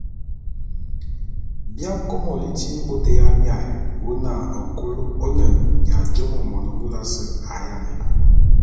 Bi akômo liti bôt ya miaé wu na nkul ô ne nya jùomo mone búlù ase a yiane yem.